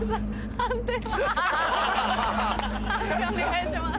判定をお願いします。